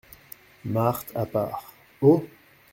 Marthe à part. — Oh ?